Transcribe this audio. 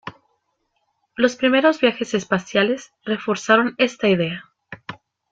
Los primeros viajes espaciales reforzaron esta idea.